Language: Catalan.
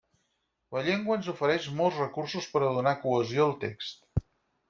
La llengua ens ofereix molts recursos per a donar cohesió al text.